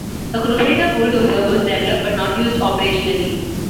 A Crusader bulldozer was developed, but not used operationally.